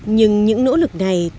nhưng những nỗ lực này không đủ